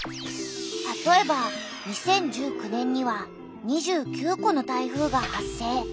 たとえば２０１９年には２９個の台風が発生。